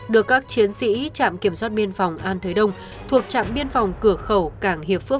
được các chiến sĩ trạm kiểm soát biên phòng an thới đông thuộc trạm biên phòng cửa khẩu cảng hiệp phước